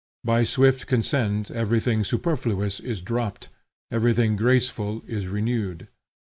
By swift consent everything superfluous is dropped, everything graceful is renewed.